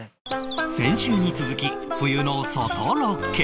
先週に続き冬の外ロケ